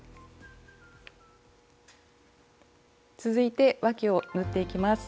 続いてわきを縫っていきます。